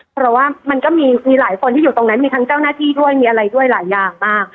เพราะว่ามันก็มีหลายคนที่อยู่ตรงนั้นมีทั้งเจ้าหน้าที่ด้วยมีอะไรด้วยหลายอย่างมาก